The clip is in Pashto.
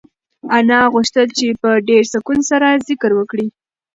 انا غوښتل چې په ډېر سکون سره ذکر وکړي.